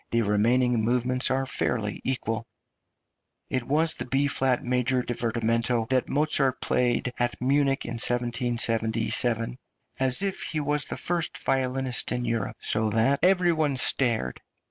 The remaining movements are fairly equal. It was the B flat major divertimento that Mozart played at Munich in 1777, "as if he was the first violinist in Europe," so that "every one stared."